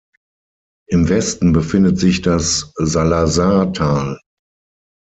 Im Westen befindet sich das Salazar-Tal.